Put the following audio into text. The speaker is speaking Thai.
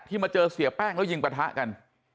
มาเจอเสียแป้งแล้วยิงปะทะกัน